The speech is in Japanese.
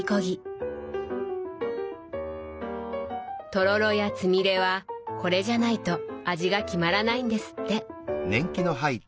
とろろやつみれはこれじゃないと味が決まらないんですって。